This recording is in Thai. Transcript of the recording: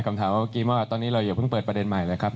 คำถามเมื่อกี้ว่าตอนนี้เราอย่าเพิ่งเปิดประเด็นใหม่เลยครับ